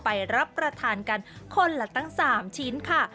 ไปรับประทานกันคนละตั้ง๓ชิ้นค่ะ